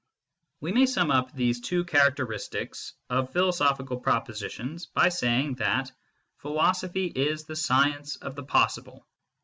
We may sum up these two characteristics of philo sophical propositions by saying that philosophy is the science of the possible.